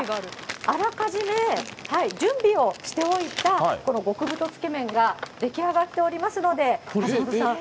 あらかじめ準備をしておいた、この極太つけ麺が出来上がっておりますので、橋本さん。